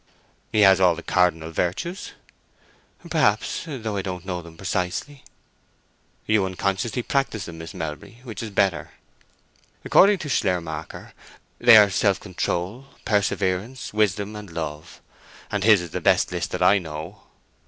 "He has all the cardinal virtues." "Perhaps—though I don't know them precisely." "You unconsciously practise them, Miss Melbury, which is better. According to Schleiermacher they are Self control, Perseverance, Wisdom, and Love; and his is the best list that I know."